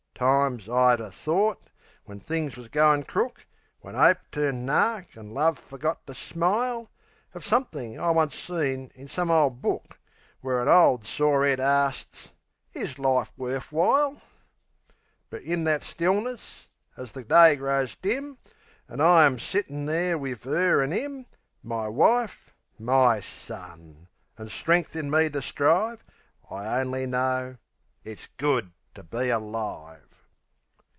Times I 'ave thought, when things was goin' crook, When 'Ope turned nark an' Love forgot to smile, Of somethin' I once seen in some old book Where an ole sore 'ead arsts, "Is life worf w'ile?" But in that stillness, as the day grows dim, An' I am sittin' there wiv 'er an' 'im My wife, my son! an' strength in me to strive, I only know it's good to be alive!